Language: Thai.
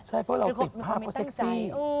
ใช่เพราะเราติดภาพก็เซ็กซี่